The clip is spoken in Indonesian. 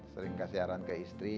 sering kasih arahan ke istri